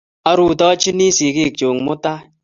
Arutochini sigik chuk mutai